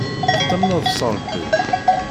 Tettamneḍ s Ṛebbi?